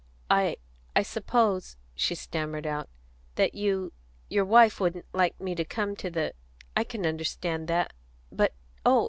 "I I suppose," she stammered out, "that you your wife, wouldn't like me to come to the I can understand that; but oh!